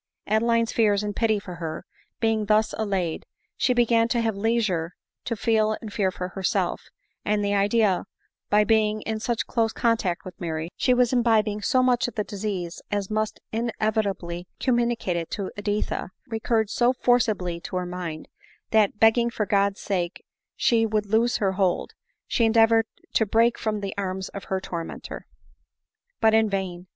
Adeline's fears and pity for her, being thus allayed, she began to have leisure to feel and fear for herself; and the idea, that by being in such close contact with Mary, she was imbibing so much of the disease as must inevita bly communicate it to Editha, recurred so forcibly to her mind, that, begging (or God's sake she would loose her hold, she endeavored to break from the arms of her tormenter. But in vain.